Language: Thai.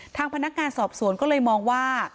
ทางพนักงานสอบสวนก็เลยมองว่า